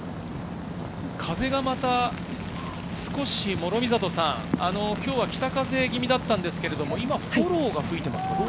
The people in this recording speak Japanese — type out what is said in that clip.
風がまた少し諸見里さん、今日は北風気味だったんですけど、今フォローが吹いていますか？